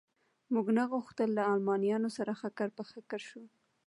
موږ نه غوښتل له المانیانو سره ښکر په ښکر شو.